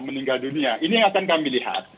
meninggal dunia ini yang akan kami lihat